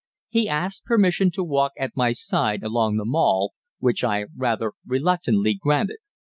He asked permission to walk at my side along the Mall, which I rather reluctantly granted.